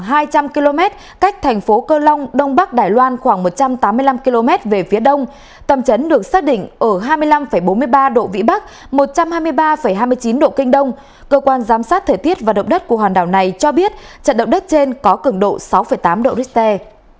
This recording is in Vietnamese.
tại hai trăm linh km cách thành phố cơ long đông bắc đài loan khoảng một trăm tám mươi năm km về phía đông tầm chấn được xác định ở hai mươi năm bốn mươi ba độ vĩ bắc một trăm hai mươi ba hai mươi chín độ kinh đông cơ quan giám sát thời tiết và động đất của hòn đảo này cho biết trận động đất trên có cường độ sáu tám độ richter